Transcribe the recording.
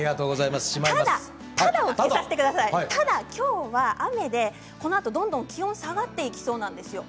ただ、きょうは雨で、このあとどんどん気温が下がってきそうなんですよ。